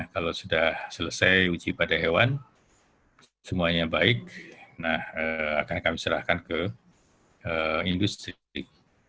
kalau sudah selesai uji pada hewan semuanya baik akan kami serahkan ke industri